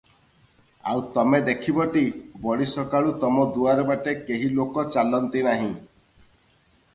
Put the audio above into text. ଆଉ ତମେ ଦେଖିବଟି, ବଡ଼ିସକାଳୁ ତମ ଦୁଆର ବାଟେ କେହି ଲୋକ ଚାଲନ୍ତି ନାହିଁ ।